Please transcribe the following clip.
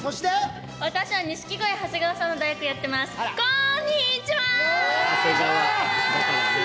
私は錦鯉・長谷川さんの代役やってます、こんにちは！